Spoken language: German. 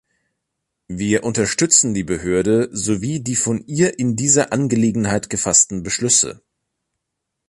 Wir unterstützen die Behörde sowie die von ihr in dieser Angelegenheit gefassten Beschlüsse.